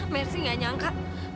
merci gak nyangka